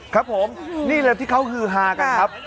ครับผมนี่แหละที่เขาฮือฮากันครับ